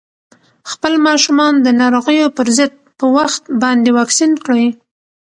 خپل ماشومان د ناروغیو پر ضد په وخت باندې واکسین کړئ.